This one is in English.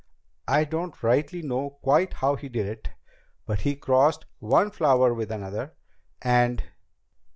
I don't rightly know quite how he did it, but he crossed one flower with another, and